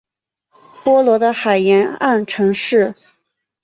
波罗的海沿岸城市。